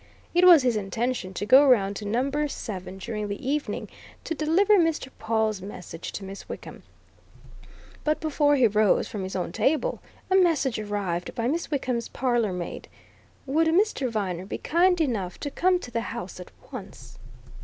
It was his intention to go round to Number Seven during the evening, to deliver Mr. Pawle's message to Miss Wickham, but before he rose from his own table, a message arrived by Miss Wickham's parlour maid would Mr. Viner be kind enough to come to the house at once?